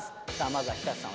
まずは寿人さん